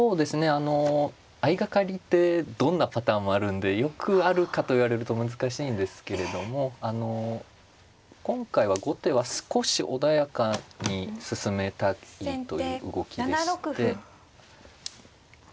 あの相掛かりってどんなパターンもあるんでよくあるかと言われると難しいんですけれどもあの今回は後手は少し穏やかに進めたいという動きでして。